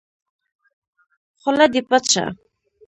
خوله دې پټّ شه!